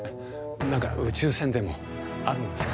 なんか宇宙船でもあるんですか？